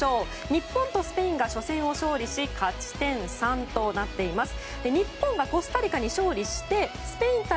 日本とスペインが初戦を勝利し勝ち点３となっています。